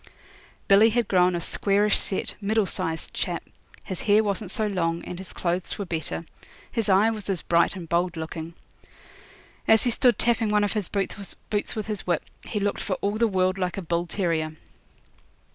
Billy had grown a squarish set, middle sized chap; his hair wasn't so long, and his clothes were better; his eye was as bright and bold looking. As he stood tapping one of his boots with his whip, he looked for all the world like a bull terrier.